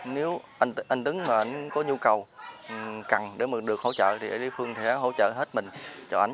nếu anh tuấn có nhu cầu cần để được hỗ trợ thì địa phương sẽ hỗ trợ hết mình cho anh